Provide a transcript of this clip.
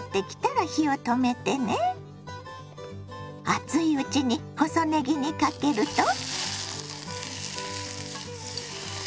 熱いうちに細ねぎにかけると。